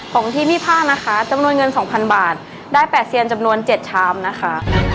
ของที่มีผ้านะคะจำนวนเงิน๒๐๐๐บาทได้๘เซียนจำนวน๗ชามนะคะ